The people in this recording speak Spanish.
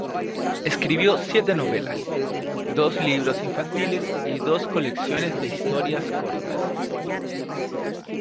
Escribió siete novelas, dos libros infantiles y dos colecciones de historias cortas.